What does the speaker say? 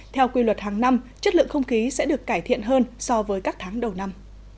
theo quy luật hàng năm chất lượng không khí sẽ được cải thiện hơn so với các tháng đầu năm